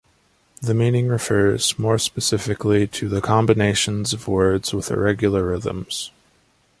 The meaning refers more specifically to combinations of words with irregular rhythms.